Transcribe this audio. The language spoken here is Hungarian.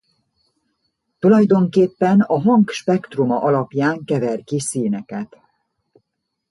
Tulajdonképpen a hang spektruma alapján kever ki színeket.